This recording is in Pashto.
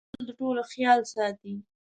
خور تل د ټولو خیال ساتي.